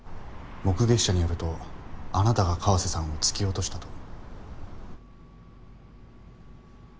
目撃者によるとあなたが川瀬さんを突き落としたと。